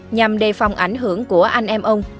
nhằm đề phòng ảnh hưởng của anh em ông